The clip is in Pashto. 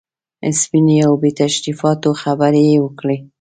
سپینې او بې تشریفاتو خبرې یې وکړې.